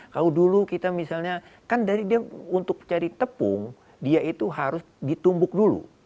kalau dulu kita misalnya kan dari dia untuk cari tepung dia itu harus ditumbuk dulu